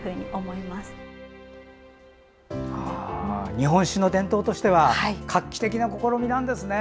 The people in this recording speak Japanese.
日本酒の伝統としては画期的な試みなんですね。